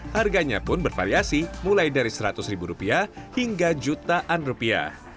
harganya pun bervariasi mulai dari seratus ribu rupiah hingga jutaan rupiah